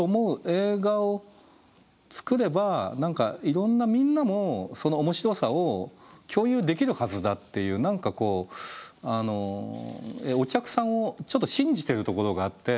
映画を作ればいろんなみんなもその面白さを共有できるはずだっていう何かこうお客さんをちょっと信じてるところがあって。